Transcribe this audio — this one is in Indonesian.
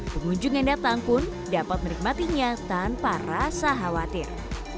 pengunjung yang datang pun dapat menikmatinya tanpa rasa khawatir